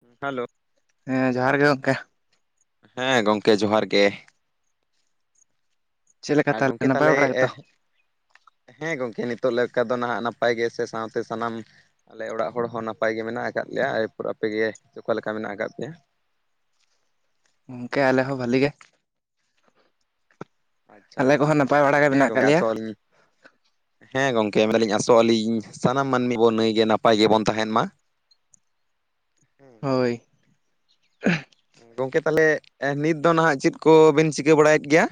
ᱦᱩᱸ ᱦᱮᱞᱳ᱾ ᱦᱮᱸ ᱡᱚᱦᱟᱨ ᱜᱮ ᱜᱚᱝᱠᱮ᱾ ᱦᱮᱸ ᱜᱚᱝᱠᱮ ᱡᱚᱦᱟᱨ ᱜᱮ᱾ ᱪᱮᱫ ᱞᱮᱠᱟ ᱟᱨ ᱛᱟᱦᱚᱞᱮ ᱜᱚᱝᱠᱮ ᱱᱟᱯᱟᱭ ᱛᱟᱦᱞᱮ ᱵᱟᱲᱟ ᱮᱻ ᱜᱮᱛᱚ? ᱦᱮᱸ ᱜᱚᱝᱠᱮ ᱱᱤᱛᱳᱜ ᱞᱮᱠᱟ ᱫᱚ ᱱᱟᱦᱟᱜ ᱱᱟᱯᱟᱭ ᱜᱮ ᱥᱮ, ᱥᱟᱶᱛᱮ ᱥᱟᱱᱟᱢ ᱟᱞᱮ ᱚᱲᱟᱜ ᱦᱚᱲ ᱦᱚᱸ ᱱᱟᱯᱟᱭ ᱜᱮ ᱢᱮᱱᱟᱜ ᱟᱠᱟᱫ ᱞᱮᱭᱟ᱾ ᱮᱨᱯᱚᱨ ᱟᱯᱮ ᱜᱮ ᱚᱠᱟ ᱞᱮᱠᱟ ᱢᱮᱱᱟᱜ ᱟᱠᱟᱜ ᱯᱮᱭᱟ? ᱜᱚᱝᱠᱮ ᱟᱞᱮ ᱦᱚᱸ ᱵᱷᱟᱞᱤ ᱜᱮ᱾ ᱟᱪᱪᱷᱟ ᱟᱞᱮ ᱠᱚᱦᱚᱸ ᱟᱪᱪᱷᱟ, ᱱᱟᱯᱟᱭ ᱵᱟᱲᱟ ᱜᱮ ᱦᱮᱸ ᱢᱮᱱᱟᱜ ᱟᱠᱟᱫ ᱜᱚᱝᱠᱮ ᱞᱮᱭᱟ ᱟᱥᱚᱜ-ᱟᱞᱤᱧ ᱦᱮᱸ ᱜᱚᱝᱠᱮ ᱢᱮᱱᱫᱟᱞᱤᱧ ᱟᱥᱚᱜ-ᱟᱞᱤᱧ, ᱥᱟᱱᱟᱢ ᱢᱟᱹᱱᱢᱤ ᱵᱚᱱ ᱱᱟᱹᱭ ᱜᱮ ᱱᱟᱯᱟᱭ ᱜᱮᱵᱚᱱ ᱛᱟᱦᱮᱱ ᱢᱟ᱾ ᱦᱳᱭ᱾ ᱜᱚᱝᱠᱮ ᱛᱟᱦᱞᱮ ᱱᱤᱛ ᱫᱚ ᱱᱟᱦᱟᱜ ᱪᱮᱫ ᱠᱚᱵᱮᱱ ᱪᱤᱠᱟᱹ ᱵᱟᱲᱟᱭᱮᱫ ᱜᱮᱭᱟ?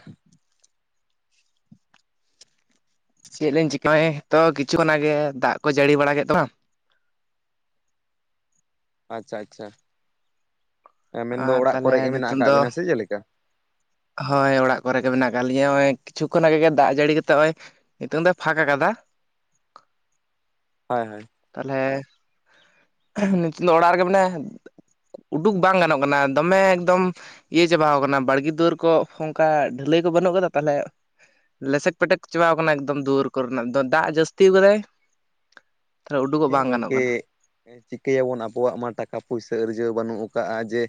ᱪᱮᱫ ᱞᱤᱧ ᱪᱤᱠᱟᱭ? ᱛᱚ, ᱠᱤᱪᱷᱩ ᱚᱱᱟᱜ ᱟᱜᱮ ᱫᱟᱜ ᱠᱚᱭ ᱡᱟᱹᱲᱤ ᱵᱟᱲᱟ ᱠᱮᱫ ᱫᱚᱢᱟ? ᱟᱪᱪᱷᱟ ᱟᱪᱪᱷᱟ, ᱮ ᱢᱮᱱᱫᱚ ᱟᱨ ᱚᱲᱟᱜ ᱛᱟᱦᱚᱞᱮ ᱠᱚᱨᱮ ᱜᱮ ᱢᱮᱱᱟᱜ ᱱᱤᱛᱚᱝ ᱟᱠᱟᱜ ᱫᱚ ᱵᱮᱱᱟ ᱥᱮ ᱪᱮᱞᱮᱠᱟ? ᱦᱳᱭ ᱚᱲᱟᱜ ᱠᱚᱨᱮ ᱜᱮ ᱢᱮᱱᱟᱜ ᱟᱠᱟᱫ ᱞᱤᱧᱟᱹ ᱱᱚᱜᱼᱚᱭ, ᱠᱤᱪᱷᱩ ᱠᱷᱚᱱᱟᱜ ᱜᱮ ᱜᱮ ᱫᱟᱜ ᱡᱟᱹᱲᱤ ᱠᱟᱛᱮᱜ ᱱᱚᱜᱼᱚᱭ ᱱᱤᱛᱚᱝ ᱫᱚᱭ ᱯᱷᱟᱸᱠ ᱟᱠᱟᱫᱟ᱾ ᱦᱚᱭ ᱦᱚᱭ᱾ ᱛᱟᱦᱞᱮ ᱱᱤᱛ ᱫᱚ ᱚᱲᱟᱜ ᱨᱮᱜᱮ ᱢᱮᱱᱟᱭᱟ᱾ ᱩᱰᱩᱠ ᱵᱟᱝ ᱜᱟᱱᱚᱜ ᱠᱟᱱᱟ ᱫᱚᱢᱮ ᱮᱠᱫᱚᱢ᱾ ᱤᱭᱟᱹ ᱪᱟᱵᱟᱣ ᱠᱟᱱᱟ ᱵᱟᱲᱜᱮ ᱫᱩᱣᱟᱹᱨ ᱠᱚ ᱚᱱᱠᱟ ᱰᱷᱟᱹᱞᱟᱹᱭ ᱠᱚ ᱵᱟᱹᱱᱩᱜ ᱠᱟᱫᱟ ᱛᱟᱦᱚᱞᱮ, ᱞᱮᱥᱮᱠ ᱯᱮᱴᱮᱠ ᱪᱟᱵᱟᱣ ᱟᱠᱟᱱᱟ ᱮᱠᱫᱚᱢ ᱫᱩᱣᱟᱹᱨ ᱠᱚᱨᱮᱱᱟᱜ ᱫᱚ ᱫᱟᱜ ᱡᱟᱹᱥᱛᱤ ᱟᱠᱟᱫᱟᱭ᱾ ᱛᱟᱦᱚᱞᱮ ᱩᱰᱩᱠᱚᱜ ᱦᱮᱸ ᱵᱟᱝ ᱜᱟᱱᱚᱜ ᱜᱚᱢᱠᱮ ᱠᱟᱱᱟ ᱪᱤᱠᱟᱹᱭᱟᱵᱚᱱ ᱟᱵᱚᱣᱟᱜ ᱢᱟ ᱴᱟᱠᱟ ᱯᱩᱭᱥᱟᱹ ᱟᱹᱨᱡᱟᱹᱣ ᱵᱟᱹᱱᱩᱜ ᱠᱟᱜᱼᱟ ᱡᱮ?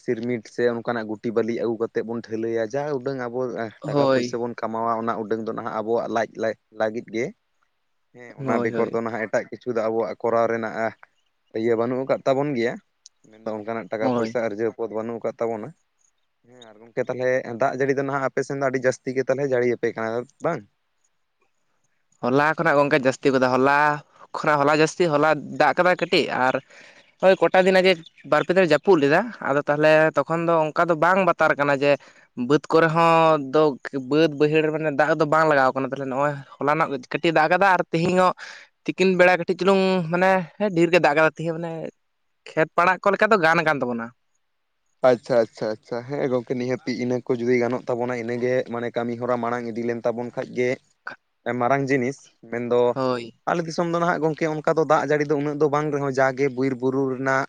ᱥᱤᱨᱢᱤᱴ ᱥᱮ ᱚᱱᱠᱟᱱᱟᱜ ᱜᱩᱴᱤ ᱵᱟᱹᱞᱤ ᱟᱹᱜᱩ ᱠᱟᱛᱮᱫ ᱵᱚᱱ ᱴᱷᱟᱹᱞᱟᱹᱭᱟ ᱡᱟ ᱩᱰᱟᱹᱝ ᱟᱵᱚ, ᱴᱟᱠᱟ ᱦᱳᱭ ᱯᱩᱭᱥᱟᱹ ᱵᱚᱱ ᱠᱟᱢᱟᱣᱟ ᱚᱱᱟ ᱩᱰᱟᱹᱝ ᱫᱚ ᱱᱟᱦᱟᱜ ᱟᱵᱚᱣᱟᱜ ᱞᱟᱡ ᱞᱟᱢ ᱞᱟᱹᱜᱤᱫ ᱜᱮ᱾ ᱦᱮᱸ ᱚᱱᱟ ᱦᱳᱭ ᱵᱮᱜᱚᱨ ᱦᱳᱭ ᱫᱚ ᱱᱟᱦᱟᱜ ᱮᱴᱟᱜ ᱠᱤᱪᱷᱩ ᱫᱚ ᱟᱵᱚᱣᱟᱜ ᱠᱚᱨᱟᱣ ᱨᱮᱱᱟᱜ ᱤᱭᱟᱹ ᱵᱟᱹᱱᱩᱜ ᱟᱠᱟᱫ ᱛᱟᱵᱚᱱ ᱜᱮᱭᱟ᱾ ᱢᱮᱱᱫᱚ ᱚᱱᱠᱟᱱᱟᱜ ᱴᱟᱠᱟ ᱦᱳᱭ ᱯᱚᱭᱥᱟᱹ ᱟᱨᱡᱟᱹᱣ ᱯᱚᱫ ᱵᱟᱹᱱᱩᱜ ᱟᱠᱟᱫ ᱛᱟᱵᱚᱱᱟ᱾ ᱦᱮᱸ ᱟᱨ ᱜᱚᱝᱠᱮ ᱛᱟᱦᱚᱞᱮ ᱫᱟᱜ ᱡᱟᱹᱲᱤ ᱫᱚ ᱱᱟᱦᱟᱜ ᱟᱯᱮ ᱥᱮᱱ ᱫᱚ ᱟᱹᱰᱤ ᱡᱟᱹᱥᱛᱤ ᱜᱮ ᱛᱟᱦᱚᱞᱮ ᱡᱟᱹᱲᱤᱭᱟ ᱟᱯᱮ ᱠᱟᱱᱟ ᱵᱟᱝ? ᱦᱚᱞᱟ ᱠᱷᱚᱱᱟᱜ ᱜᱚᱝᱠᱮ ᱡᱟᱹᱥᱛᱤ ᱠᱟᱫᱟ ᱦᱚᱞᱟ ᱠᱷᱚᱱᱟᱜ ᱦᱚᱞᱟ ᱡᱟᱹᱥᱛᱤ ᱦᱚᱞᱟ ᱫᱟᱜ ᱠᱟᱫᱟᱭ ᱠᱟᱹᱴᱤᱡ ᱟᱨ, ᱦᱳᱭ ᱠᱚᱴᱟ ᱫᱤᱱ ᱟᱜᱮ ᱵᱟᱨ ᱯᱮ ᱫᱤᱱ ᱡᱟᱹᱯᱩᱫ ᱞᱮᱫᱟ ᱟᱫᱚ ᱛᱟᱦᱚᱞᱮ ᱛᱚᱠᱷᱚᱱ ᱫᱚ ᱚᱱᱠᱟ ᱫᱚ ᱵᱟᱝ ᱵᱟᱛᱟᱨ ᱠᱟᱱᱟ ᱡᱮ? ᱵᱟᱹᱫᱽ ᱠᱚᱨᱮ ᱦᱚᱸ ᱫᱚ ᱵᱟᱹᱫᱽ ᱵᱟᱹᱭᱦᱟᱹᱲ ᱨᱮ ᱢᱟᱱᱮ ᱫᱟᱜ ᱫᱚ ᱵᱟᱝ ᱞᱟᱜᱟᱣ ᱠᱟᱱᱟ ᱛᱟᱦᱚᱞᱮ ᱱᱚᱜᱼᱚᱭ? ᱦᱚᱞᱟᱱᱚᱜ ᱠᱟᱹᱴᱤᱡ ᱫᱟᱜ ᱠᱟᱫᱟ ᱟᱨ ᱛᱮᱦᱮᱧᱚᱜ ᱛᱤᱠᱤᱱ ᱵᱮᱲᱟ ᱠᱟᱹᱴᱤᱡ ᱪᱩᱞᱩᱝ ᱢᱟᱱᱮ ᱰᱷᱮᱨ ᱜᱮ ᱫᱟᱜ ᱜᱟᱫᱟ ᱛᱮᱦᱮᱧ ᱢᱟᱱᱮ ᱠᱷᱮᱛ ᱯᱟᱲᱟᱜ ᱠᱚ ᱞᱮᱠᱟ ᱫᱚ ᱜᱟᱱ ᱠᱟᱱ ᱛᱟᱵᱚᱱᱟ᱾ ᱟᱪᱪᱷᱟ ᱟᱪᱪᱷᱟ ᱟᱪᱪᱷᱟ᱾ ᱦᱮᱸ ᱜᱚᱝᱠᱮ ᱱᱤᱦᱟᱹᱛᱤ ᱤᱱᱟᱹ ᱡᱩᱫᱤ ᱜᱟᱱᱚᱜ ᱛᱟᱵᱚᱱᱟ ᱤᱱᱟᱹᱜᱮ ᱢᱟᱱᱮ ᱠᱟᱹᱢᱤ ᱦᱚᱨᱟ ᱢᱟᱲᱟᱝ ᱤᱫᱤ ᱞᱮᱱ ᱛᱟᱵᱚᱱ ᱠᱷᱟᱡ ᱜᱮ ᱢᱟᱨᱟᱝ ᱡᱤᱱᱤᱥ ᱢᱮᱱᱫᱚ ᱦᱳᱭ ᱟᱞᱮ ᱫᱤᱥᱚᱢ ᱫᱚ ᱱᱟᱦᱟᱜ ᱜᱚᱢᱠᱮ ᱚᱱᱠᱟ ᱫᱚ ᱫᱟᱜ ᱡᱟᱹᱲᱤ ᱫᱚ ᱩᱱᱟᱹᱜ ᱫᱚ ᱵᱟᱝ ᱨᱮᱦᱚᱸ ᱡᱟᱜᱮ ᱵᱤᱨ ᱵᱩᱨᱩ ᱨᱮᱱᱟᱜ,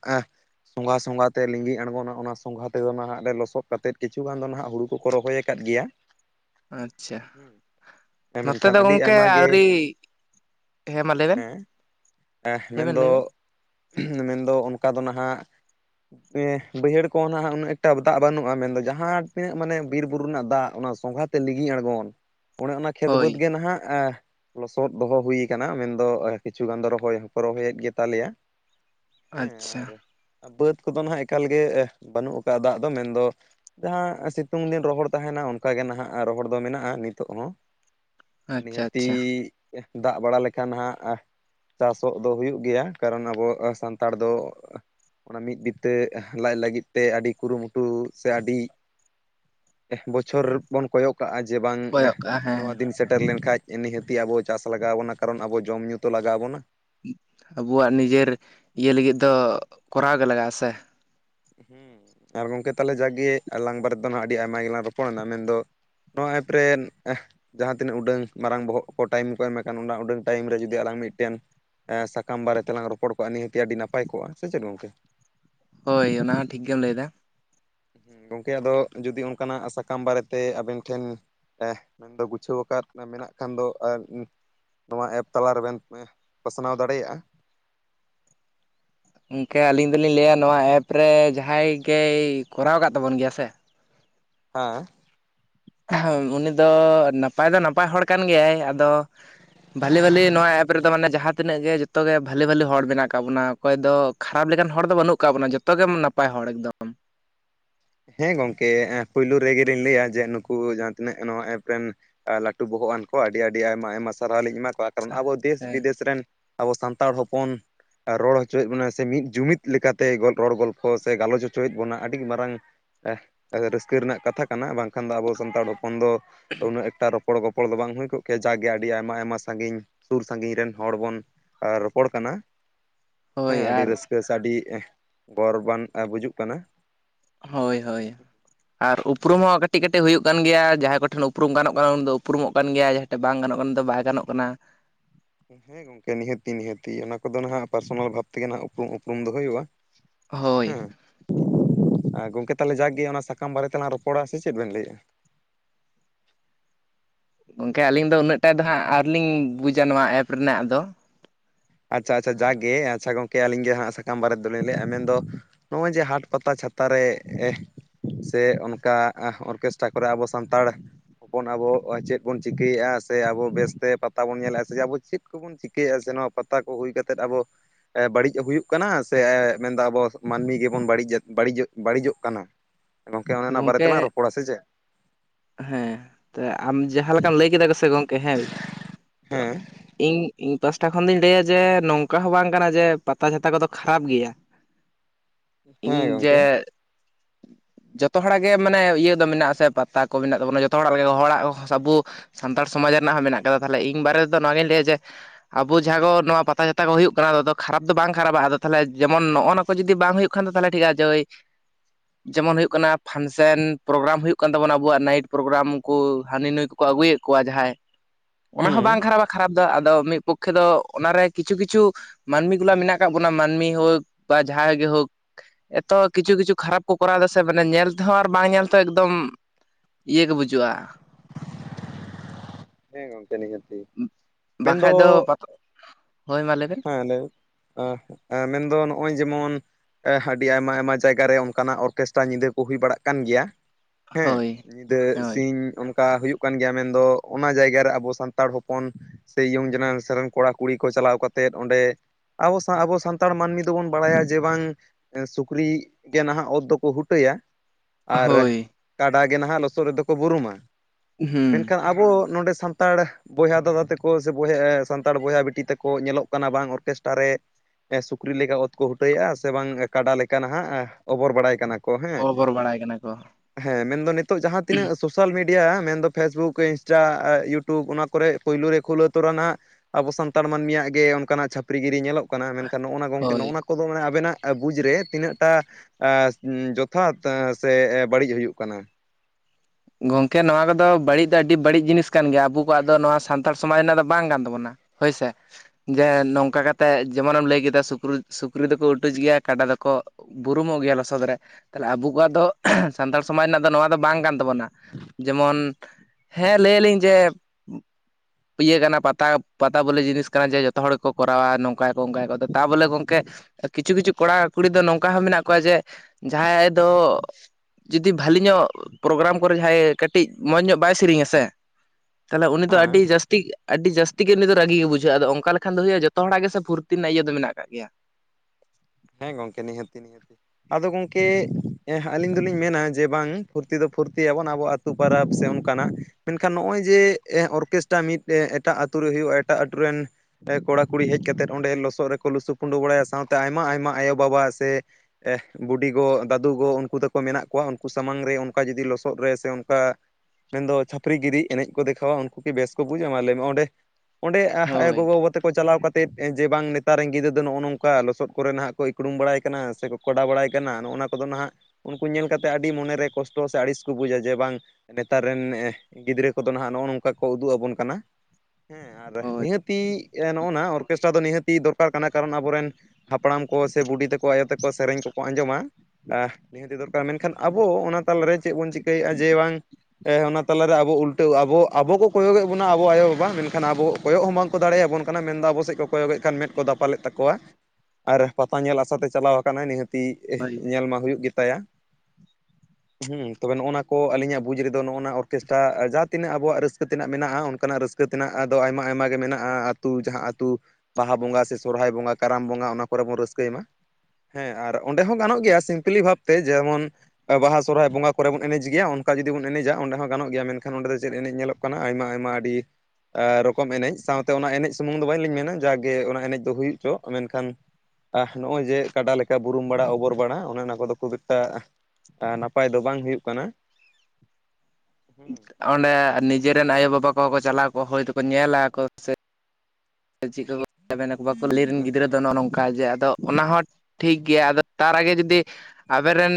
ᱥᱚᱝᱜᱷᱟ ᱥᱚᱝᱜᱷᱟ ᱛᱮ ᱞᱤᱸᱜᱤ ᱟᱬᱜᱚᱱᱟ᱾ ᱚᱱᱟ ᱥᱚᱝᱜᱷᱟ ᱛᱮᱫᱚ ᱱᱟᱦᱟᱜ ᱨᱮ ᱞᱚᱥᱚᱫ ᱠᱟᱛᱮᱫ ᱠᱤᱪᱷᱩ ᱜᱟᱱ ᱫᱚ ᱱᱟᱦᱟᱜ ᱦᱩᱲᱩ ᱠᱚᱠᱚ ᱨᱚᱦᱚᱭ ᱟᱠᱟᱫ ᱜᱮᱭᱟ᱾ ᱟᱪᱪᱷᱟ [inaudible] ᱦᱮᱸ ᱱᱚᱛᱮ ᱫᱚ ᱢᱮᱱᱠᱷᱟᱱ ᱟᱹᱰᱤ ᱜᱚᱝᱠᱮ ᱟᱭᱢᱟ ᱜᱮ, ᱟᱹᱣᱨᱤ ᱢᱟ ᱞᱟᱹᱭ ᱵᱮᱱ ᱦᱮᱸ [inaudible] ᱮᱸ ᱞᱟᱹᱭ ᱵᱮᱱ ᱢᱮᱱᱫᱚ ᱞᱟᱹᱭ ᱵᱮᱱ ᱢᱮᱱᱫᱚ ᱚᱱᱠᱟ ᱫᱚ ᱱᱟᱦᱟᱜ? ᱵᱟᱹᱭᱦᱟᱹᱲ ᱠᱚ ᱱᱟᱦᱟᱜ ᱩᱱᱟᱹᱜ ᱮᱠᱴᱟ ᱫᱟᱜ ᱵᱟᱹᱱᱩᱜᱼᱟ ᱢᱮᱱᱫᱚ ᱡᱟᱦᱟᱸ ᱛᱤᱱᱟᱹᱜ ᱢᱟᱱᱮ ᱵᱤᱨ ᱵᱩᱨᱩ ᱨᱮᱱᱟᱜ ᱫᱟᱜ ᱚᱱᱟ ᱥᱚᱸᱜᱷᱟᱛᱮ ᱞᱤᱸᱜᱤ ᱟᱬᱜᱚᱱ ᱚᱱᱮ ᱚᱱᱟ ᱠᱷᱮᱛ ᱦᱳᱭ ᱵᱟᱹᱫᱽ ᱜᱮ ᱱᱟᱦᱟᱜ ᱞᱚᱥᱚᱫ ᱫᱚᱦᱚ ᱦᱩᱭ ᱟᱠᱟᱱᱟ ᱢᱮᱱᱫᱚ ᱠᱤᱪᱷᱩ ᱜᱟᱱ ᱫᱚ ᱨᱚᱦᱚᱭ ᱦᱚᱸᱠᱚ ᱨᱚᱦᱚᱭᱮᱫ ᱜᱮᱛᱟ ᱞᱮᱭᱟ᱾ ᱦᱮᱸ ᱟᱪᱪᱷᱟ ᱟᱨ ᱵᱟᱹᱫᱽ ᱠᱚᱫᱚ ᱱᱟᱦᱟᱜ ᱮᱠᱟᱞᱜᱮ ᱵᱟᱹᱱᱩᱜ ᱟᱠᱟᱜᱼᱟ ᱫᱟᱜ ᱫᱚ ᱢᱮᱱᱫᱚ ᱡᱟᱦᱟᱸ ᱥᱤᱛᱩᱝ ᱫᱤᱱ ᱨᱚᱦᱚᱲ ᱛᱟᱦᱮᱸᱱᱟ ᱚᱱᱠᱟ ᱜᱮ ᱱᱟᱦᱟᱜ ᱨᱚᱦᱚᱲ ᱫᱚ ᱢᱮᱱᱟᱜᱼᱟ ᱱᱤᱛᱚᱜ ᱦᱚᱸ᱾ ᱟᱨ ᱟᱪᱪᱷᱟ ᱱᱤᱦᱟᱹᱛᱤ ᱟᱪᱪᱷᱟ ᱫᱟᱜ ᱵᱟᱲᱟ ᱞᱮᱠᱷᱟᱱ ᱦᱟᱸᱜ, ᱪᱟᱥᱚᱜ ᱫᱚ ᱦᱩᱭᱩᱜ ᱜᱮᱭᱟ ᱠᱟᱨᱚᱱ ᱟᱵᱚ ᱥᱟᱱᱛᱟᱲ ᱫᱚ ᱚᱱᱟ ᱢᱤᱫ ᱵᱤᱛᱟᱹ ᱞᱟᱡ ᱞᱟᱹᱜᱤᱫ ᱛᱮ ᱟᱹᱰᱤ ᱠᱩᱨᱩᱢᱩᱴᱩ ᱥᱮ ᱟᱹᱰᱤ ᱵᱚᱪᱷᱚᱨ ᱵᱚᱱ ᱠᱚᱭᱚᱜ ᱠᱟᱜᱼᱟ, ᱡᱮ ᱵᱟᱝ ᱠᱚᱭᱚᱜ ᱠᱟᱜᱼᱟ ᱱᱚᱣᱟ ᱦᱮᱸ ᱫᱤᱱ, ᱥᱮᱴᱮᱨ ᱞᱮᱱᱠᱷᱟᱡ ᱱᱤᱦᱟᱹᱛᱤ ᱟᱵᱚ ᱪᱟᱥ ᱞᱟᱜᱟᱣ ᱟᱵᱚᱱᱟ ᱠᱟᱨᱚᱱ ᱟᱵᱚ ᱡᱚᱢ ᱧᱩᱛᱚ ᱞᱟᱜᱟᱣ ᱟᱵᱚᱱᱟ᱾ ᱟᱵᱚᱣᱟᱜ ᱱᱤᱡᱮᱨ ᱤᱭᱟᱹ ᱞᱟᱹᱜᱤᱫ ᱫᱚ ᱠᱚᱨᱟᱣ ᱜᱮ ᱞᱟᱜᱟᱜᱼᱟ ᱥᱮ᱾ ᱦᱩᱸ ᱟᱨ ᱜᱚᱝᱠᱮ ᱛᱟᱦᱚᱞᱮ ᱡᱟᱜᱮ ᱟᱞᱟᱝ ᱵᱟᱨᱮ ᱫᱚ ᱦᱟᱸᱜ ᱟᱹᱰᱤ ᱟᱭᱢᱟ ᱜᱮᱞᱟᱝ ᱨᱚᱯᱚᱲᱮᱱᱟ ᱢᱮᱱᱫᱚ ᱱᱚᱣᱟ ᱮᱯ ᱨᱮᱱ ᱡᱟᱦᱟᱸ ᱛᱤᱱᱟᱹᱜ ᱩᱰᱟᱹᱝ ᱢᱟᱨᱟᱝ ᱵᱚᱦᱚᱜ ᱠᱚ ᱴᱟᱭᱤᱢ ᱠᱚ ᱮᱢ ᱟᱠᱟᱱᱟ ᱚᱱᱟ ᱩᱰᱟᱹᱝ ᱴᱟᱭᱤᱢ ᱨᱮ ᱡᱩᱫᱤ ᱟᱞᱟᱝ ᱢᱤᱫᱴᱮᱱ ᱥᱟᱠᱟᱢ ᱵᱟᱨᱮᱛᱮ ᱞᱟᱝ ᱨᱚᱯᱚᱲ ᱠᱚᱜᱼᱟ ᱱᱤᱦᱟᱹᱛᱤ ᱟᱹᱰᱤ ᱱᱟᱯᱟᱭ ᱠᱚᱜᱼᱟ ᱥᱮ ᱪᱮᱫ ᱜᱚᱝᱠᱮ? ᱦᱳᱭ ᱚᱱᱟ ᱦᱚᱸ ᱴᱷᱤᱠ ᱜᱮᱢ ᱞᱟᱹᱭᱮᱫᱟ᱾ ᱦᱩᱸ ᱜᱚᱢᱠᱮ ᱟᱫᱚ ᱡᱩᱫᱤ ᱚᱱᱠᱟᱱᱟᱜ ᱥᱟᱠᱟᱢ ᱵᱟᱨᱮᱛᱮ ᱟᱵᱤᱱ ᱴᱷᱮᱱ ᱢᱮᱱᱫᱚ ᱜᱩᱪᱷᱟᱹᱣ ᱟᱠᱟᱫ ᱢᱮᱱᱟᱜ ᱠᱷᱟᱱ ᱫᱚ ᱱᱚᱣᱟ ᱮᱯ ᱛᱟᱞᱟ ᱨᱮᱵᱤᱱ ᱯᱟᱥᱱᱟᱣ ᱫᱟᱲᱮᱭᱟᱜᱼᱟ ᱜᱚᱝᱠᱮ ᱟᱹᱞᱤᱧ ᱫᱚᱞᱤᱧ ᱞᱟᱹᱭᱟ ᱱᱚᱣᱟ ᱮᱯ ᱨᱮ ᱡᱟᱦᱟᱸᱭ ᱜᱮᱭ ᱠᱚᱨᱟᱣ ᱠᱟᱫ ᱛᱟᱵᱚᱱ ᱜᱮᱭᱟ ᱥᱮ ᱦᱮᱸ ᱩᱱᱤ ᱫᱚ ᱱᱟᱯᱟᱭ ᱫᱚ ᱱᱟᱯᱟᱭ ᱦᱚᱲ ᱠᱟᱱ ᱜᱮᱭᱟᱭ ᱟᱫᱚ ᱵᱷᱟᱞᱤ ᱵᱷᱟᱞᱤ ᱱᱚᱣᱟ ᱮᱯ ᱨᱮᱫᱚ ᱢᱟᱱᱮ ᱡᱟᱦᱟᱸ ᱛᱤᱱᱟᱹᱜ ᱜᱮ ᱡᱚᱛᱚ ᱜᱮ ᱵᱷᱟᱞᱤ ᱵᱷᱟᱞᱤ ᱦᱚᱲ ᱢᱮᱱᱟᱜ ᱟᱠᱟᱫ ᱵᱚᱱᱟ ᱚᱠᱚᱭ ᱫᱚ ᱠᱷᱟᱨᱟᱯ ᱞᱮᱠᱟᱱ ᱦᱚᱲ ᱫᱚ ᱵᱟᱹᱱᱩᱜ ᱠᱟᱫ ᱵᱚᱱᱟ ᱡᱚᱛ ᱡᱚᱛᱚ ᱜᱮ ᱱᱟᱯᱟᱭ ᱦᱚᱲ ᱮᱠᱫᱚᱢ ᱦᱮᱸ ᱜᱚᱢᱠᱮ ᱯᱳᱭᱞᱳ ᱨᱮᱜᱮᱞᱤᱧ ᱞᱟᱹᱭᱟ ᱡᱮ ᱱᱩᱠᱩ ᱡᱟᱦᱟᱸ ᱛᱤᱱᱟᱹᱜ ᱱᱚᱣᱟ ᱮᱯ ᱨᱮᱱ ᱞᱟᱹᱴᱩ ᱵᱚᱦᱚᱜ ᱟᱱ ᱠᱚ ᱟᱹᱰᱤ ᱟᱹᱰᱤ ᱟᱭᱢᱟ ᱟᱭᱢᱟ ᱥᱟᱨᱦᱟᱣ ᱞᱤᱧ ᱮᱢᱟ ᱠᱚᱣᱟ ᱠᱟᱨᱚᱱ ᱟᱵᱚ ᱫᱮᱥ ᱦᱮᱸ ᱵᱤᱫᱮᱥ ᱨᱮᱱ ᱟᱵᱚ ᱥᱟᱱᱛᱟᱲ ᱦᱚᱯᱚᱱ ᱨᱚᱲ ᱦᱚᱪᱚᱭᱮᱫ ᱵᱚᱱᱟ ᱥᱮ ᱢᱤᱫ ᱡᱩᱢᱤᱫ ᱞᱮᱠᱟᱛᱮ ᱨᱚᱲ ᱜᱚᱞᱯᱷᱚ ᱥᱮ ᱜᱟᱞᱚᱪ ᱦᱚᱪᱚᱭᱮᱫ ᱵᱚᱱᱟ ᱟᱹᱰᱤ ᱢᱟᱨᱟᱝ ᱨᱟᱹᱥᱠᱟᱹ ᱨᱮᱱᱟᱜ ᱠᱟᱛᱷᱟ ᱠᱟᱱᱟ ᱵᱟᱝᱠᱷᱟᱱ ᱫᱚ ᱟᱵᱚ ᱥᱟᱱᱛᱟᱲ ᱦᱚᱯᱚᱱ ᱫᱚ ᱩᱱᱟᱹᱜ ᱮᱠᱴᱟ ᱨᱚᱯᱚ ᱜᱚᱲᱚ ᱜᱚᱯᱚᱲᱚ ᱫᱚ ᱵᱟᱝ ᱦᱩᱭ ᱠᱚᱜ ᱠᱮᱭᱟ ᱡᱟᱜᱮ ᱟᱹᱰᱤ ᱟᱭᱢᱟ ᱟᱭᱢᱟ ᱥᱟᱺᱜᱤᱧ ᱥᱩᱨ ᱥᱟᱺᱜᱤᱧ ᱨᱮᱱ ᱦᱚᱲ ᱵᱚᱱ ᱟᱨ ᱨᱚᱯᱚᱲ ᱠᱟᱱᱟ ᱦᱳᱭ ᱦᱮᱸ ᱟᱹᱰᱤ ᱟᱨ ᱨᱟᱹᱥᱠᱟᱹ ᱥᱮ ᱟᱹᱰᱤ ᱜᱚᱨᱚᱵᱟᱱ ᱵᱩᱡᱩᱜ ᱠᱟᱱᱟ ᱦᱳᱭ ᱦᱳᱭ ᱟᱨ ᱩᱯᱨᱩᱢ ᱦᱚᱸ ᱠᱟᱹ ᱠᱟᱹᱴᱤᱡ ᱠᱟᱹᱴᱤᱡ ᱦᱩᱭᱩᱜ ᱠᱟᱱ ᱜᱮᱭᱟ ᱡᱟᱦᱟᱸᱭ ᱠᱚᱴᱷᱮᱱ ᱩᱯᱨᱩᱢ ᱜᱟᱱᱚᱜ ᱠᱟᱱᱟ ᱩᱱᱤ ᱫᱚ ᱩᱯᱨᱩᱢᱚᱜ ᱠᱟᱱ ᱜᱮᱭᱟ ᱡᱟᱦᱟᱸᱭ ᱴᱷᱮᱱ ᱵᱟᱝ ᱜᱟᱱᱚᱜ ᱠᱟᱱᱟ ᱩᱱᱤ ᱫᱚ ᱵᱟᱭ ᱜᱟᱱᱚᱜ ᱠᱟᱱᱟ ᱦᱮᱸ ᱜᱚᱝᱠᱮ ᱱᱤᱦᱟᱹᱛᱤ ᱱᱤᱦᱟᱹᱛᱤ ᱚᱱᱟ ᱠᱚᱫᱚ ᱱᱟᱦᱟᱸᱜ ᱯᱟᱨᱥᱚᱱᱟᱞᱷᱟᱵᱽ ᱛᱮᱜᱮ ᱦᱟᱸᱜ ᱩᱯᱨᱩᱢ ᱩᱯᱨᱩᱢ ᱫᱚ ᱦᱩᱭᱩᱜᱼᱟ ᱦᱳᱭ ᱦᱮᱸ ᱟᱨ ᱜᱚᱢᱠᱮ ᱛᱟᱦᱚᱞᱮ ᱡᱟᱠᱮ ᱚᱱᱟ ᱥᱟᱠᱟᱢ ᱵᱟᱨᱮ ᱛᱮ ᱞᱟᱝ ᱨᱚᱯᱚᱲᱟ ᱥᱮ ᱪᱮᱫ ᱵᱮᱱ ᱞᱟᱹᱭᱮᱜᱼᱟ? ᱜᱚᱢᱠᱮ ᱟᱹᱞᱤᱧ ᱫᱚ ᱩᱱᱟᱹᱜ ᱴᱟ ᱫᱚ ᱦᱟᱸᱜ ᱟᱨᱞᱤᱧ ᱵᱩᱡᱟ ᱱᱚᱣᱟ ᱮᱯ ᱨᱮᱱᱟᱜ ᱫᱚ ᱟᱪᱪᱷᱟ ᱟᱪᱪᱷᱟ ᱡᱟᱜᱮ ᱟᱪᱪᱷᱟ ᱜᱚᱢᱠᱮ ᱟᱹᱞᱤᱧ ᱜᱮ ᱦᱟᱸᱜ ᱥᱟᱠᱟᱢ ᱵᱟᱨᱮᱛᱮ ᱫᱚ ᱞᱤᱧ ᱞᱟᱹᱭᱮᱫᱼᱟ ᱢᱮᱱᱫᱚ ᱱᱚᱜᱼᱚᱭ ᱡᱮ ᱦᱟᱴ ᱯᱟᱛᱟ ᱪᱷᱟᱛᱟ ᱨᱮ ᱮ ᱥᱮ ᱚᱱᱠᱟ ᱚᱨᱠᱮᱥᱴᱨᱟ ᱠᱚᱨᱮ ᱟᱵᱚ ᱥᱟᱱᱛᱟᱲ ᱵᱚᱱ ᱟᱵᱚ ᱪᱮᱫ ᱵᱚᱱ ᱪᱤᱠᱟᱹᱭᱮᱫᱼᱟ ᱥᱮ ᱟᱵᱚ ᱵᱮᱥᱛᱮ ᱯᱟᱛᱟ ᱵᱚᱱ ᱧᱮᱞ ᱪᱮᱫ ᱠᱚ ᱵᱚᱱ ᱪᱤᱠᱟᱹᱭᱮᱜᱼᱟ ᱥᱮ ᱱᱚᱣᱟ ᱯᱟᱛᱟ ᱠᱚ ᱦᱩᱭ ᱠᱟᱛᱮᱫ ᱟᱵᱚ ᱵᱟᱹᱲᱤᱡ ᱦᱩᱭᱩᱜ ᱠᱟᱱᱟ ᱥᱮ ᱢᱮᱱᱫᱟ ᱟᱵᱚ ᱢᱟᱹᱱᱢᱤ ᱜᱮᱵᱚᱱ ᱵᱟᱹᱲᱤᱡᱮᱫ ᱵᱟᱹᱲᱤᱡᱚᱜ ᱠᱟᱱᱟ ᱜᱚᱝᱠᱮ ᱚᱱᱮ ᱚᱱᱟ ᱵᱟᱨᱮ ᱛᱮᱞᱟᱝ ᱜᱚᱝᱠᱮ ᱨᱚᱯᱚᱲᱟ ᱥᱮ ᱪᱮ? ᱦᱮᱸ ᱛᱚ ᱟᱢ ᱡᱟᱦᱟᱸ ᱞᱮᱠᱟᱢ ᱞᱟᱹᱭ ᱠᱮᱫᱟ ᱠᱚ ᱥᱮ ᱜᱚᱢᱠᱮ ᱦᱮᱸ ᱤᱧ ᱤᱧ ᱯᱟᱥᱴᱟ ᱠᱷᱚᱱ ᱫᱚᱧ ᱞᱟᱹᱭᱟ ᱡᱮ ᱱᱚᱝᱠᱟ ᱦᱚᱸ ᱵᱟᱝ ᱠᱟᱱᱟ ᱡᱮ ᱯᱟᱛᱟ ᱪᱷᱟᱛᱟ ᱠᱚᱫᱚ ᱠᱷᱟᱨᱟᱯ ᱜᱮᱭᱟ ᱤᱧ ᱦᱮᱸ ᱜᱚᱝᱠᱮ ᱡᱮ ᱡᱚᱛᱚ ᱦᱚᱲᱟᱜ ᱜᱮ ᱢᱟᱱᱮ ᱤᱭᱟᱹ ᱫᱚ ᱢᱮᱱᱟᱜ ᱟᱥᱮ ᱯᱟᱛᱟ ᱠᱚ ᱢᱮᱱᱟᱜ ᱛᱟᱵᱚᱱᱟ ᱡᱚᱛᱚ ᱦᱚᱲᱟᱜ ᱞᱮᱠᱟ ᱦᱚᱲᱟᱜ ᱟᱵᱚ- ᱥᱟᱱᱛᱟᱲ ᱥᱚᱢᱟᱡᱽ ᱨᱮᱱᱟᱜ ᱦᱚᱸ ᱢᱮᱱᱟᱜ ᱠᱟᱫᱟ ᱛᱟᱦᱚᱞᱮ ᱤᱧ ᱵᱟᱨᱮ ᱛᱮᱫᱚ ᱱᱚᱣᱟᱜᱤᱧ ᱞᱟᱹᱭᱟ ᱡᱮ ᱟᱵᱩ ᱡᱟᱦᱟᱸ ᱠᱚ ᱱᱚᱣᱟ ᱯᱟᱛᱟ ᱪᱷᱟᱛᱟ ᱠᱚ ᱦᱩᱭᱩᱜ ᱠᱟᱱᱟ ᱚᱱᱟ ᱫᱚ ᱠᱷᱟᱨᱟᱯ ᱫᱚ ᱵᱟᱝ ᱠᱷᱟᱨᱟᱯᱟ ᱟᱫᱚ ᱛᱟᱦᱚᱞᱮ ᱡᱮᱢᱚᱱ ᱱᱚᱜᱼᱚ ᱱᱚ ᱠᱚ ᱡᱩᱫᱤ ᱵᱟᱝ ᱦᱩᱭᱩᱜ ᱠᱷᱟᱱ ᱛᱟᱦᱚᱞᱮ ᱴᱷᱤᱠᱼᱟᱪᱷᱮ ᱳᱭ ᱡᱮᱢᱚᱱ ᱦᱩᱭᱩᱜ ᱠᱟᱱᱟ ᱯᱷᱟᱱᱥᱮᱱ ᱯᱨᱳᱜᱨᱟᱢ ᱦᱩᱭᱩᱜ ᱠᱟᱱ ᱛᱟᱵᱚᱱᱟ ᱟᱵᱚᱣᱟᱜ ᱱᱟᱭᱤᱴ ᱯᱨᱳᱜᱨᱟᱢ ᱠᱚ ᱦᱟᱹᱱᱤ ᱱᱟᱹᱭ ᱠᱚᱠᱚ ᱟᱹᱜᱩᱭᱮᱫ ᱠᱚᱣᱟ ᱡᱟᱦᱟᱸᱭ ᱚᱱᱟ ᱦᱚᱸ ᱦᱩᱸ ᱵᱟᱝ ᱠᱷᱟᱨᱟᱯᱟ ᱠᱷᱟᱨᱟᱯ ᱫᱚ ᱟᱫᱚ ᱢᱤᱫ ᱯᱚᱠᱠᱷᱮ ᱫᱚ ᱚᱱᱟᱨᱮ ᱠᱤᱪᱷᱩ ᱠᱤᱪᱷᱩ ᱢᱟᱹᱱᱢᱤ ᱜᱚᱞᱟ ᱢᱮᱱᱟᱜ ᱠᱟᱜ ᱵᱚᱱᱟ ᱢᱟᱹᱱᱢᱤ ᱦᱳᱠ ᱵᱟ ᱡᱟᱦᱟᱸᱭ ᱜᱮ ᱦᱳᱠ ᱮᱛᱚ ᱠᱤᱪᱷᱩ ᱠᱤᱪᱷᱩ ᱠᱷᱟᱨᱟᱯ ᱠᱚ ᱠᱚᱨᱟᱣ ᱮᱫᱟ ᱥᱮ ᱢᱟᱱᱮ ᱧᱮᱞ ᱛᱮᱦᱚᱸ ᱟᱨ ᱵᱟᱝ ᱧᱮᱞ ᱛᱮᱦᱚᱸ ᱮᱠᱫᱚᱢ ᱤᱭᱟᱹ ᱜᱮ ᱵᱩᱡᱩᱜᱼᱟ [inaudible] ᱦᱮᱸ ᱜᱚᱝᱠᱮ ᱱᱤᱦᱟᱹᱛᱤ ᱢᱮᱱᱫᱚ ᱵᱟᱠᱷᱟᱡ ᱫᱚ ᱯᱟᱛᱟ ᱦᱳᱭ ᱢᱟ ᱵᱮᱱ ᱦᱮᱸ ᱞᱟᱹᱭ ᱢᱮ ᱦᱮ ᱮ ᱢᱮᱱ ᱫᱚ ᱱᱚᱜᱼᱚᱭ ᱡᱮᱢᱚᱱ᱾ [unintelligible] ᱟᱹᱰᱤ ᱟᱭᱢᱟ ᱟᱭᱢᱟ ᱡᱟᱭᱜᱟᱨᱮ ᱚᱱᱠᱟᱱᱟᱜ ᱚᱨᱠᱮᱥᱴᱟ ᱧᱤᱫᱟᱹ ᱠᱩ ᱦᱩᱭ ᱵᱟᱲᱟᱜ ᱠᱟᱱ ᱜᱮᱭᱟ᱾ ᱦᱮᱸ ᱦᱳᱭ ᱧᱤᱫᱟᱹ ᱦᱳᱭ ᱥᱤᱧ ᱚᱱᱠᱟ ᱦᱩᱭᱩᱜ ᱠᱟᱱ ᱜᱮᱭᱟ ᱢᱮᱱᱫᱚ᱾ ᱚᱱᱟ ᱡᱟᱭᱜᱟ ᱨᱮ ᱟᱵᱚ ᱥᱟᱱᱛᱟᱲ ᱦᱚᱯᱚᱱ ᱥᱮ [unintelligible] ᱨᱮᱱ ᱠᱚᱲᱟᱼ ᱠᱩᱲᱤ ᱠᱚ ᱪᱟᱞᱟᱣ ᱠᱟᱛᱮᱫ ᱚᱸᱰᱮ᱾ ᱟᱵᱚ ᱟᱵᱚ ᱥᱟᱱᱛᱟᱲ ᱢᱟᱱᱢᱤ ᱫᱚᱵᱚᱱ ᱵᱟᱲᱟᱭᱟ ᱡᱮ ᱵᱟᱝ᱾ ᱥᱩᱠᱨᱤ ᱜᱮ ᱱᱟᱦᱟᱸᱜ ᱚᱛ ᱫᱚᱠᱚ ᱦᱩᱴᱟᱹᱭᱟ ᱟᱨ ᱦᱳᱭ ᱠᱟᱰᱟ ᱜᱮ ᱱᱟᱦᱟᱸᱜ ᱞᱚᱥᱚᱫ ᱨᱮᱫᱚ ᱠᱚ ᱵᱩᱨᱩᱢᱟ ᱦᱩᱸ ᱢᱮᱱᱠᱷᱟᱱ ᱟᱵᱚ᱾ ᱟᱵᱳ ᱱᱚᱸᱰᱮ ᱥᱟᱱᱛᱟᱲ ᱵᱚᱭᱦᱟ ᱫᱟᱫᱟ ᱛᱮᱠᱚ ᱥᱮ ᱥᱟᱱᱛᱟᱲ ᱵᱚᱭᱦᱟ ᱵᱤᱴᱤ ᱛᱮᱠᱚ ᱧᱮᱞᱚᱜ ᱠᱟᱱᱟ ᱵᱟᱝ ᱚᱨᱠᱮᱥᱴᱟ ᱨᱮ᱾ ᱥᱩᱠᱨᱤ ᱞᱮᱠᱟ ᱚᱛ ᱠᱚ ᱦᱩᱴᱟᱹᱭᱮᱜᱼᱟ ᱥᱮ ᱵᱟᱝ ᱠᱟᱰᱟ ᱞᱮᱠᱟ ᱱᱟᱦᱟᱸᱜ ᱚᱵᱚᱨ ᱵᱟᱲᱟᱭ ᱠᱟᱱᱟ ᱠᱚ ᱦᱮᱸ ᱦᱚᱵᱚᱨ ᱵᱟᱲᱟᱭ ᱠᱟᱱᱟ ᱠᱚ ᱦᱮᱸ ᱢᱮᱱᱫᱚ ᱱᱤᱛᱚᱜ ᱡᱟᱦᱟᱸ ᱛᱤᱱᱟᱹᱜ ᱥᱳᱥᱟᱞ ᱢᱤᱰ ᱤᱭᱟ ᱢᱮᱱᱫᱚ ᱯᱷᱮᱥᱵᱩᱠ ᱤᱱᱥ ᱴᱟ ᱤᱭᱩᱴᱩᱵᱽ ᱚᱱᱟ ᱠᱚᱨᱮᱜ ᱯᱩᱭᱞᱩ ᱨᱮ ᱠᱷᱩᱞᱟᱹ ᱛᱚᱨᱟ ᱦᱟᱸᱜ ᱟᱵᱚ ᱥᱟᱱᱛᱟᱲ ᱢᱟᱹᱱᱢᱤᱭᱟᱜ ᱜᱮ ᱚᱱᱠᱟᱱᱟᱜ ᱪᱷᱟᱯ ᱨᱤ ᱜᱤᱨᱤ ᱧᱮᱞᱚᱜ ᱠᱟᱱᱟ ᱢᱮᱱᱠᱷᱟᱱ ᱱᱚᱜᱼᱱᱟ ᱜᱚᱝᱠᱮ ᱦᱳᱭ ᱱᱚᱜᱼᱱᱟ ᱠᱚᱫᱚ ᱢᱟᱱᱮ ᱟᱵᱮᱱᱟᱜ ᱵᱩᱡᱽ ᱨᱮ ᱛᱤᱱᱟᱹᱜ ᱴᱟ ᱾ [unintelligible] ᱡᱚᱛᱷᱟᱛ ᱥᱮ ᱵᱟᱲᱤᱡ ᱦᱩᱭᱩᱜ ᱠᱟᱱᱟ᱾ ᱜᱚᱝᱠᱮ ᱱᱚᱣᱟ ᱠᱚᱫᱚ ᱵᱟᱹᱲᱤᱡ ᱫᱚ ᱟᱹᱰᱤ ᱵᱟᱹᱲᱤᱡ ᱡᱤᱱᱤᱥ ᱠᱟᱱ ᱜᱮᱭᱟ ᱟᱵᱚ ᱠᱚᱣᱟᱜ ᱫᱚ ᱱᱚᱣᱟ ᱥᱟᱱ ᱛᱟᱲ ᱥᱚᱢᱟᱡᱽ ᱨᱮᱱᱟᱜ ᱫᱚ ᱵᱟᱝ ᱠᱟᱱ ᱛᱟᱵᱚᱱᱟ ᱦᱳᱭ ᱥᱮ ᱡᱮ ᱱᱚᱝᱠᱟ ᱠᱟᱛᱮᱡ ᱡᱮᱢᱚᱱᱮᱢ ᱞᱟᱹᱭ ᱠᱮᱫᱟ ᱥᱩᱠᱨᱤ ᱥᱩᱠᱨᱤ ᱫᱚᱠᱚ ᱩᱴᱩᱡ ᱜᱮᱭᱟ ᱠᱟᱰᱟ ᱫᱚᱠᱚ ᱵᱩᱨᱩᱢᱚᱜ ᱜᱮᱭᱟ ᱞᱚᱥᱚᱫ ᱨᱮ᱾ ᱛᱟᱦᱞᱮ ᱟᱵᱚ ᱠᱚᱣᱟᱜ ᱫᱚ ᱥᱟᱱᱛᱟᱲ ᱥᱚᱢᱟᱡᱽ ᱨᱮᱱᱟᱜ ᱫᱚ ᱱᱚᱶᱟ ᱫᱚ ᱵᱟᱝ ᱠᱟᱱ ᱛᱟᱵᱚᱱᱟ᱾ ᱡᱮᱢᱚᱱ ᱦᱮᱸ ᱞᱟᱹᱭ ᱟᱹᱞᱤᱧ ᱡᱮ [inaudible] ᱯᱤᱭᱟᱹ ᱠᱟᱱᱟ ᱯᱟᱛᱟ ᱯᱟᱛᱟ ᱵᱚᱞᱮ ᱡᱤᱱᱤᱥ ᱠᱟᱱᱟ ᱡᱮ ᱡᱚᱛᱚ ᱦᱚᱲ ᱜᱮᱠᱚ ᱠᱚᱨᱟᱣᱟ ᱱᱚᱝᱠᱟᱭ ᱟᱠᱚ ᱚᱝᱠᱟᱭ ᱟᱠᱚ ᱛᱟᱵᱚᱞᱮ ᱜᱚᱝᱠᱮ᱾ ᱠᱤᱪᱷᱩ ᱠᱤᱪᱷᱩ ᱠᱚᱲᱟ ᱠᱩᱲᱤ ᱫᱚ ᱱᱚᱝᱠᱟ ᱦᱚᱸ ᱢᱮᱱᱟᱜ ᱠᱚᱣᱟ ᱡᱮ ᱡᱟᱦᱟᱸᱭ ᱫᱚ᱾ ᱡᱩᱫᱤ ᱵᱷᱟᱞᱤ ᱧᱚᱜ ᱯᱨᱳᱜᱨᱟᱢ ᱠᱚᱨᱮ ᱡᱟᱦᱟᱸᱭ ᱠᱟᱹᱴᱤᱡ ᱢᱚᱸᱡᱽ ᱧᱚᱜ ᱵᱟᱭ ᱥᱤᱨᱤᱧᱟ ᱥᱮ ᱛᱟᱦᱚᱞᱮ ᱩᱱᱤ ᱫᱚ ᱦᱮᱸ ᱟᱹᱰᱤ ᱡᱟᱹᱥ ᱛᱤ ᱟᱹᱰᱤ ᱡᱟᱹᱥᱛᱤ ᱜᱤ ᱩᱱᱤ ᱫᱚ ᱨᱟᱹᱜᱤ ᱜᱮ ᱵᱩᱡᱷᱟᱹᱜᱼᱟ ᱟᱫᱚ ᱚᱱᱠᱟ ᱞᱮᱠᱷᱟᱱ ᱫᱚ ᱦᱩᱭᱩᱜᱼᱟ ᱡᱚᱛᱚ ᱦᱚᱲᱟᱜ ᱜᱮ ᱥᱮ ᱯᱷᱩᱨᱛᱤ ᱨᱮᱱᱟᱜ ᱤᱭᱟᱹ ᱫᱚ ᱢᱮᱱᱟᱜ ᱠᱟᱜ ᱜᱮᱭᱟ᱾ ᱦᱮᱸ ᱜᱚᱝᱠᱮ ᱱᱤᱦᱟᱹᱛᱤ ᱱᱤᱦᱟᱹᱛᱤ ᱟᱫᱚ ᱜᱚᱝᱠᱮ᱾ ᱦᱮᱸ ᱟᱹᱞᱤᱧ ᱫᱩᱞᱤᱧ ᱢᱮᱱᱟ ᱡᱮ ᱵᱟᱝ ᱯᱷᱩᱨᱛᱤ ᱫᱚ ᱯᱷᱩᱨᱛᱤ ᱭᱟ ᱵᱚᱱ ᱟᱵᱚ ᱟᱛᱩ ᱯᱟᱨᱟᱵᱽ ᱥᱮ ᱚᱱᱠᱟᱱᱟᱜ᱾ ᱢᱮᱱᱠᱷᱟᱱ ᱱᱚᱜᱼᱚᱭ ᱡᱮ ᱚᱨᱠᱮᱥᱴᱟ ᱢᱤᱫ ᱮᱴᱟᱜ ᱟᱛᱩ ᱨᱮ ᱦᱩᱭᱩᱜᱼᱟ ᱮᱴᱟᱜ ᱟᱴᱩ ᱨᱮᱱ ᱠᱚᱲᱟ ᱠᱩᱲᱤ ᱦᱮᱡ ᱠᱟᱛᱮᱜ ᱚᱸᱰᱮ ᱞᱚᱥᱚᱫ ᱨᱮᱠᱚ ᱞᱩᱥᱩ ᱯᱩᱸᱰᱩ ᱵᱟᱲᱟᱭᱟ ᱥᱟᱶᱛᱮ ᱟᱭᱢᱟ ᱟᱭᱢᱟ ᱟᱭᱳ ᱵᱟᱵᱟ ᱥᱮ᱾ ᱮᱦ ᱵᱩᱰᱤ ᱜᱚ ᱫᱟᱫᱩ ᱜᱚ ᱩᱱᱠᱩ ᱛᱟᱠᱩ ᱢᱮᱱᱟᱜ ᱠᱚᱣᱟ ᱩᱱᱠᱩ ᱥᱟᱢᱟᱝ ᱨᱮ ᱚᱱᱠᱟ ᱡᱩᱫᱤ ᱞᱚᱥᱚᱫ ᱨᱮ ᱥᱮ ᱚᱱᱠᱟ ᱢᱮᱱᱫᱚ ᱪᱷᱟᱯᱨᱤ ᱜᱤᱨᱤ ᱮᱱᱮᱡ ᱠᱚ ᱫᱮᱠᱷᱟᱣᱟ ᱩᱱᱠᱩ ᱠᱤ ᱵᱮᱥ ᱠᱚ ᱵᱩᱡᱟ ᱢᱟ ᱞᱟᱹᱭ ᱢᱮ ᱚᱸᱰᱮ᱾ ᱚᱸᱰᱮ [unintelligible] ᱦᱳᱭ ᱜᱚᱜᱚ ᱵᱟᱵᱟ ᱛᱟᱠᱚ ᱪᱟᱞᱟᱣ ᱠᱟᱛᱮᱫ ᱡᱮ ᱵᱟᱝ ᱱᱮᱛᱟᱨ ᱨᱮᱱ ᱜᱤᱫᱽᱨᱟᱹ ᱫᱚ ᱱᱚᱜᱼᱚᱭ ᱱᱚᱝᱠᱟ ᱞᱚᱥᱚᱫ ᱠᱚᱨᱮ ᱱᱟᱦᱟᱸᱜ ᱠᱚ ᱤᱠᱷᱲᱩᱢ ᱵᱟᱲᱟᱭ ᱠᱟᱱᱟ ᱥᱮᱠᱚ ᱠᱟᱰᱟ ᱵᱟᱲᱟᱭ ᱠᱟᱱᱟ ᱱᱚᱜ ᱱᱟ ᱠᱚᱫᱚ ᱱᱟᱦᱟᱸᱜ ᱩᱱᱠᱩ ᱧᱮᱞ ᱠᱟᱛᱮᱫ ᱟᱰᱤ ᱢᱚᱱᱮᱨᱮ ᱠᱚᱥᱴᱚ ᱥᱮ ᱟᱲᱤᱥ ᱠᱚ ᱵᱩᱡᱟ ᱡᱮ ᱵᱟᱝ ᱱᱮᱛᱟᱨ ᱨᱮᱱ [unintelligible] ᱜᱤᱫᱽᱨᱟᱹ ᱠᱚᱫᱚ ᱱᱟᱦᱟᱸᱜ ᱱᱚᱜᱼᱚᱭ ᱱᱚᱝᱠᱟ ᱠᱚ ᱩᱫᱩᱜ ᱟᱵᱩᱱ ᱠᱟᱱᱟ᱾ ᱦᱮᱸ ᱟᱨ ᱦᱳᱭ ᱱᱤᱦᱟᱹᱛᱤ ᱱᱚᱜᱼᱱᱟ ᱚᱨᱠᱮᱥᱴᱟ ᱫᱚ ᱱᱤᱦᱟᱹᱛᱤ ᱫᱚᱨᱠᱟᱨ ᱠᱟᱱᱟ ᱠᱟᱨᱚᱱ ᱟᱵᱚᱨᱮᱱ ᱦᱟᱯᱲᱟᱢ ᱠᱚ ᱥᱮ ᱵᱩᱰᱤ ᱛᱟᱠᱚ ᱟᱭᱳ ᱛᱟᱠᱚ ᱥᱮᱨᱮᱧ ᱠᱚᱠᱚ ᱟᱸᱡᱚᱢᱟ᱾ ᱟ ᱱᱤᱦᱟᱹᱛᱤ ᱫᱚᱨᱠᱟᱨᱟ ᱢᱮᱱᱠᱷᱟᱱ ᱟᱵᱚ ᱚᱱᱟ ᱛᱟᱞᱟᱨᱮ ᱪᱮᱫ ᱵᱚᱱ ᱪᱤᱠᱟᱹᱭᱮᱫᱼᱟ ᱡᱮ ᱵᱟᱝ ᱦᱮᱸ ᱚᱱᱟ ᱛᱟᱞᱟᱨᱮ ᱟᱵᱚ ᱩᱞᱴᱟᱹᱣ ᱟᱵᱚ ᱟᱵᱚ ᱠᱚᱭᱚᱜᱮᱫ ᱵᱚᱱᱟ ᱟᱵᱚ ᱟᱭᱳ ᱵᱟᱵᱟ ᱢᱮᱱᱠᱷᱟᱱ ᱟᱵᱚ ᱠᱚᱭᱚᱜ ᱦᱚᱸ ᱵᱟᱝᱠᱚ ᱫᱟᱲᱮᱭᱟᱵᱚᱱ ᱠᱟᱱᱟ ᱢᱮᱱ ᱫᱚ ᱟᱵᱚ ᱥᱮᱫ ᱠᱚ ᱠᱚᱭᱚᱜᱮᱫ ᱠᱷᱟᱱ ᱢᱮᱫ ᱠᱚ ᱫᱟᱯᱟᱞ ᱞᱮᱫ ᱛᱟᱠᱚᱣᱟ᱾ ᱟᱨ ᱯᱟᱛᱟ ᱧᱮᱞ ᱟᱥᱟᱛᱮ ᱪᱟᱞᱟᱣ ᱟᱠᱟᱱᱟᱭ ᱱᱤᱦᱟᱹᱛᱤ ᱦᱳᱭ ᱧᱮᱞ ᱢᱟ ᱦᱩᱭᱩᱜ ᱜᱮᱛᱟᱭᱟ᱾ [inaudible] ᱦᱩᱸ ᱛᱚᱵᱮ ᱱᱚᱜ ᱱᱟ ᱠᱚ ᱟᱹᱞᱤᱧᱟᱜ ᱵᱩᱡᱽ ᱨᱮᱫᱚ ᱱᱚᱜᱼᱚᱭ ᱱᱟ ᱚᱨᱠᱮᱥᱴᱟ ᱡᱟᱦᱟᱸ ᱛᱤᱱᱟᱹᱜ ᱟᱵᱚᱣᱟᱜ ᱨᱟᱹᱥᱠᱟᱹ ᱛᱮᱱᱟᱜ ᱢᱮᱱᱟᱜᱼᱟ ᱚᱱᱠᱟᱱᱟᱜ ᱨᱟᱹᱥ ᱠᱟᱹ ᱛᱮᱱᱟᱜ ᱟᱫᱚ ᱟᱭᱢᱟ ᱟᱭᱢᱟ ᱜᱮ ᱢᱮᱱᱟᱜᱼᱟ ᱟᱛᱩ ᱡᱟᱦᱟᱸ ᱟᱛᱩ ᱵᱟᱦᱟ ᱵᱚᱸᱜᱟ ᱥᱮ ᱥᱚᱨᱦᱟᱭ ᱵᱚᱸᱜᱟ ᱠᱟᱨᱟᱢ ᱵᱚᱸᱜᱟ ᱚᱱᱟ ᱠᱚᱨᱮ ᱵᱚᱱ ᱨᱟᱹᱥᱠᱟᱹᱭ ᱢᱟ ᱦᱮᱸ ᱟᱨ ᱚᱸᱰᱮ ᱦᱚᱸ ᱜᱟᱱᱚᱜ ᱜᱮᱭᱟ ᱥᱤᱢᱯᱤᱞᱤ ᱵᱷᱟᱵ ᱛᱮ ᱡᱮᱢᱚᱱ ᱵᱟᱦᱟ ᱥᱚᱨᱦᱟᱭ ᱵᱚᱸᱜᱟ ᱠᱚᱨᱮ ᱵᱚᱱ ᱮᱱᱮᱡ ᱜᱮᱭᱟ, ᱚᱱᱠᱟ ᱡᱩᱫᱤ ᱵᱚᱱ ᱮᱱᱮᱡᱟᱸ ᱚᱸᱰᱮ ᱦᱚᱸᱜᱟᱱᱚᱜ ᱜᱮᱭᱟ᱾ ᱢᱮᱱᱠᱷᱟᱱ ᱚᱰᱮ ᱫᱚ ᱪᱮᱫ ᱮᱱᱮᱡ ᱧᱮᱞᱚᱜ ᱠᱟᱱᱟ ᱟᱭᱢᱟ, ᱟᱭᱢᱟ ᱟᱹᱰᱤ ᱟ ᱨᱚᱠᱚᱢ ᱮᱱᱮᱡ ᱥᱟᱶᱛᱮ ᱚᱱᱟ ᱮᱱᱮᱡ ᱥᱩᱢᱩᱝ ᱫᱚ ᱵᱟᱞᱤᱧ ᱢᱮᱱᱟ, ᱡᱟᱜᱮ ᱚᱱᱟ ᱮᱱᱮᱡ ᱫᱚ ᱦᱩᱭᱪᱚᱜ ᱢᱮᱱᱠᱷᱟᱱ ᱟᱨ ᱱᱚᱜᱼᱚᱭ ᱡᱮ ᱠᱟᱰᱟ ᱞᱮᱠᱟ ᱵᱩᱨᱩᱢ ᱵᱟᱲᱟ ᱚᱵᱚᱨ ᱵᱟᱲᱟ, ᱚᱱᱮ ᱚᱱᱟ ᱠᱚᱫᱚ ᱠᱷᱩᱵ ᱮᱠᱴᱟ ᱟ ᱱᱟᱯᱟᱭ ᱫᱚ ᱵᱟᱝ ᱦᱳᱭᱩᱜ ᱠᱟᱱᱟ᱾ ᱦᱩᱸ ᱚᱸᱰᱮ ᱱᱤᱡᱮᱨᱮᱱ ᱟᱭᱳᱼᱵᱟᱵᱟ ᱠᱚᱦᱚᱸ ᱠᱚ ᱪᱟᱞᱟᱣ ᱠᱚᱣᱟ, ᱦᱚᱭᱛᱳ ᱠᱚ ᱧᱮᱞᱟ ᱠᱚ ᱥᱮ ᱪᱮᱫ [inaudible] ᱵᱟᱠᱚ ᱞᱟᱹᱭ [inaudible] ᱦᱮᱸ ᱜᱤᱫᱽᱨᱟᱹ ᱫᱚ ᱱᱚᱜᱼᱚ ᱱᱚᱝᱠᱟ ᱡᱮ ᱟᱫᱚ ᱚᱱᱟ ᱦᱚᱸ ᱴᱷᱤᱠ ᱜᱮᱭᱟ, ᱟᱫᱚ ᱛᱟᱨ ᱟᱜᱮ ᱡᱩᱫᱤ ᱟᱵᱮᱱ ᱨᱮᱱ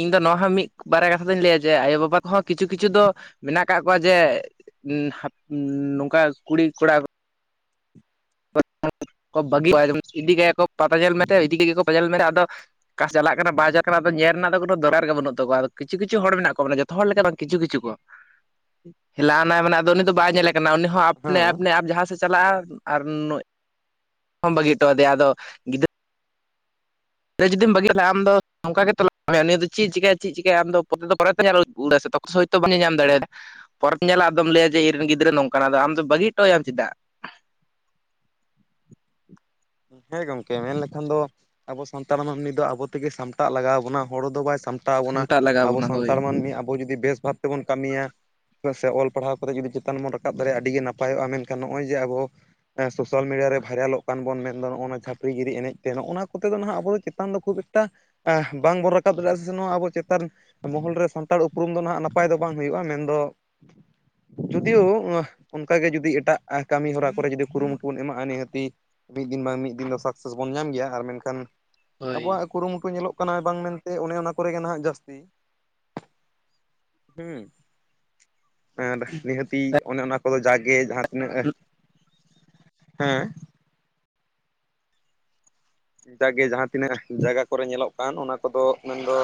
ᱤᱧ ᱫᱚ ᱱᱚᱣᱟ ᱦᱚᱸ ᱢᱤᱫ ᱵᱟᱨᱭᱟ ᱠᱟᱛᱷᱟ ᱫᱚᱧ ᱞᱟᱹᱭᱟ, ᱡᱮ ᱟᱭᱳᱵᱟᱵᱟ ᱠᱚᱦᱚᱸ ᱠᱤᱪᱷᱩ ᱠᱤᱪᱷᱩ ᱫᱚ ᱢᱮᱱᱟᱜ ᱠᱟᱜ ᱠᱚᱣᱟ ᱡᱮ, ᱱᱚᱝᱠᱟ ᱠᱩᱲᱤ ᱠᱚᱲᱟ᱾ [inaudible] ᱤᱫᱤ ᱠᱟᱭᱟ ᱠᱚ ᱯᱟᱛᱟ ᱧᱮᱞ ᱢᱮᱱᱛᱮ, ᱤᱫᱤ ᱠᱟᱭᱟ ᱠᱚ ᱯᱟᱛᱟ ᱧᱮᱞ ᱢᱮᱛᱮ ᱟᱫᱚ ᱚᱠᱟ ᱥᱮᱫ ᱮ ᱪᱟᱞᱟᱜ ᱠᱟᱱᱟ ᱵᱟᱭ ᱪᱟᱞᱟᱜ ᱠᱟᱱᱟ, ᱟᱫᱚ ᱧᱮᱞ ᱨᱮᱱᱟᱜ ᱫᱚ ᱠᱳᱱᱳ ᱫᱚᱨᱟᱨ ᱜᱮ ᱵᱟᱹᱱᱩᱜ ᱛᱟᱠᱚᱣᱟ, ᱠᱪᱷᱩ ᱠᱤᱪᱩ ᱦᱚᱲ ᱢᱮᱱᱟᱜ ᱠᱚᱣᱟ ᱵᱚᱞᱮ ᱡᱚᱛ ᱦᱚᱲ ᱞᱮᱠᱟ ᱵᱟᱝ ᱠᱤᱪᱷᱩ ᱠᱤᱪᱩᱷ ᱠᱚ᱾ [unintelligible] [inaudible] ᱦᱮᱞᱟᱭᱱᱟᱭ ᱢᱟᱱᱮ ᱟᱫᱚ ᱩᱱᱤ ᱫᱚ, ᱵᱟᱭ ᱧᱮᱞᱮ ᱠᱟᱱᱟ ᱩᱱᱤ ᱟᱯᱱᱮ ᱟᱯᱱᱮ ᱡᱟᱦᱟᱸ ᱥᱮᱫ ᱪᱟᱞᱟᱜᱼᱟ, ᱟᱨ ᱱᱩᱭ ᱦᱸᱢ ᱵᱟᱜᱤ ᱦᱚᱴᱚ ᱟᱫᱮᱭᱟ ᱟᱫᱚ ᱜᱤᱫᱽᱨᱟᱹ ᱨᱮ ᱡᱩᱫᱤᱢ ᱵᱟᱹᱜᱤ ᱠᱷᱟᱱ ᱟᱢᱫᱚ ᱚᱱᱠᱟᱜᱮ ᱛᱞᱟᱣ ᱦᱩᱭᱩᱜᱼᱟ, ᱱᱤᱭᱟᱹ ᱪᱤᱠᱟᱭ ᱪᱮᱫ ᱪᱮᱟᱭ ᱟᱢ ᱯᱚᱛ ᱫᱚ ᱯᱚᱨᱮᱛᱮ ᱧᱮᱞᱩᱟᱭ ᱥᱮ ᱛᱚᱠᱷ [unintelligible] ᱵᱟᱢ ᱧᱮᱧᱟᱢ ᱫᱟᱲᱮᱭᱟᱫᱟ ᱯᱚᱨᱮᱢ ᱧᱮᱞᱟ, ᱟᱫᱚᱢ ᱞᱟᱹᱭᱟ ᱡᱮ ᱤᱧ ᱨᱮᱱ ᱜᱤᱫᱽᱨᱟᱹ ᱱᱚᱝᱠᱟᱱᱟ ᱟᱢ ᱫᱚ ᱵᱟᱹᱜᱤ ᱦᱚᱴᱚ ᱟᱭᱟᱢ ᱪᱮᱫᱟᱜ᱾ ᱦᱮᱸ ᱜᱚᱢᱠᱮ ᱢᱮᱱᱞᱠᱷᱟᱱ ᱫᱚ ᱟᱵᱚ, ᱥᱟᱱᱛᱟᱲ ᱢᱟᱱᱢᱤ ᱫᱚ ᱟᱵᱚ ᱛᱮᱜᱮ ᱥᱟᱢᱴᱟᱜ ᱞᱟᱜᱟᱣ ᱵᱚᱱᱟ, ᱦᱚᱲ ᱫᱚ ᱵᱟᱭ ᱥᱟᱢᱴᱟ ᱦᱟᱛᱟᱣ ᱵᱚᱱᱟ ᱥᱟᱢᱴᱟᱜ ᱞᱟᱜᱟᱣ ᱟᱵᱚ ᱵᱚᱱᱟ ᱦᱳᱭ ᱥᱟᱱᱛᱟᱲ ᱢᱟᱹᱱᱢᱤ ᱟᱵᱚ, ᱡᱩᱫᱤ ᱵᱮᱥ ᱵᱷᱟᱵᱽ ᱛᱮᱵᱚᱱ ᱠᱟᱹᱢᱤᱭᱟ ᱪᱤᱫᱟᱜ ᱥᱮ ᱚᱞ ᱯᱟᱲᱦᱟᱣ ᱠᱟᱛᱮ ᱡᱩᱫᱤ ᱪᱮᱛᱟᱱ ᱵᱚᱱ ᱨᱟᱠᱟᱵ ᱫᱟᱲᱮᱭᱟᱜᱼᱟ, ᱟᱹᱰᱤ ᱜᱮ ᱱᱟᱯᱟᱭᱚᱜᱼᱟ ᱢᱮᱱᱠᱷᱟᱱ ᱱᱚᱜᱼᱚᱭ ᱡᱮ ᱟᱵᱚ᱾ ᱦᱮ ᱥᱳᱥᱟᱞ ᱢᱤᱰᱤᱭᱟ ᱨᱮ, ᱵᱷᱟᱭᱨᱟᱞᱚᱜ ᱠᱟᱱ ᱵᱚᱱ ᱢᱮᱱ ᱟᱫᱚ ᱱᱚᱜᱼᱚᱭ ᱱᱚᱣᱟ ᱪᱷᱟᱟᱹᱯᱤ ᱜᱤᱨᱤ ᱮᱱᱮᱡᱛᱮ, ᱱᱚᱜᱼᱚᱱᱟ ᱠᱚᱛᱮ ᱫᱚ ᱱᱟᱦᱟᱜ ᱟᱵᱚ ᱫᱚ ᱪᱮᱛᱟᱱ ᱫᱚ ᱠᱷᱩᱵ ᱮᱠᱴᱟ ᱵᱟᱝᱵᱚᱱ ᱨᱟᱠᱟᱵ ᱫᱟᱲᱮᱭᱟᱜᱼᱟ, ᱥᱮ ᱱᱚᱣᱟ ᱟᱵᱚ ᱪᱮᱛᱟᱱ ᱢᱚᱦᱚᱞ ᱨᱮ ᱥᱟᱱᱛᱟᱲ ᱩᱯᱨᱩᱢ ᱫᱚ, ᱱᱟᱦᱟᱜ ᱱᱟᱯᱟᱭ ᱫᱚ ᱵᱟᱝ ᱦᱩᱭᱩᱜᱼᱟ, ᱢᱮᱱᱫᱚ ᱡᱩᱫᱤᱭᱳ ᱚᱱᱠᱟᱜᱮ ᱡᱩᱫᱤ ᱮᱴᱟᱜ ᱠᱟᱹᱢᱤ ᱦᱚᱨᱟ ᱠᱚᱨᱮ, ᱡᱩᱫᱤ ᱠᱩᱨᱩᱢᱩᱴᱩ ᱵᱚᱱ ᱮᱢᱟᱜᱼᱟ ᱱᱤᱦᱟᱹᱛᱤ ᱢᱤᱫ ᱫᱤᱱ ᱵᱟᱝ ᱢᱤᱫ ᱫᱤᱱ ᱫᱚ, ᱥᱟᱠᱥᱮᱥ ᱵᱚᱱ ᱧᱟᱢ ᱜᱮᱭᱟ, ᱟᱨ ᱢᱮᱱᱠᱷᱟᱱ ᱦᱳᱭ ᱟᱵᱚᱣᱟᱜ ᱠᱩᱨᱩᱢᱩᱴᱩ ᱧᱮᱞᱚᱜ ᱠᱟᱱᱟ, ᱵᱟᱝ ᱢᱮᱱᱛᱮ ᱚᱱᱮ ᱚᱱᱟ ᱠᱚᱨᱮᱜᱮ ᱱᱟᱦᱟᱜ ᱡᱟᱹᱥᱛᱤ ᱦᱩᱸ, ᱟᱨ ᱱᱤᱦᱟᱹᱛᱤ ᱚᱱᱮ ᱚᱱᱟ ᱠᱚᱫᱚ, ᱡᱟᱜᱮ ᱡᱟᱦᱟᱸ ᱛᱤᱱᱟᱹᱜ ᱦᱮᱸ, ᱡᱴᱟᱜ ᱜᱮ ᱡᱟᱦᱟᱸ ᱛᱤᱱᱟᱹᱜ ᱡᱟᱭᱜᱟ ᱠᱚᱨᱮ ᱧᱮᱞᱚᱜ ᱠᱟᱱ, ᱚᱱᱟ ᱠᱚᱫᱚ ᱢᱮᱱᱫᱚ